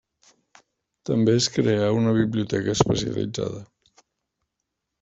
També es creà una biblioteca especialitzada.